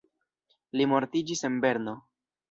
Li mortiĝis en Berno.